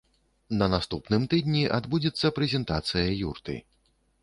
На наступным тыдні адбудзецца прэзентацыя юрты.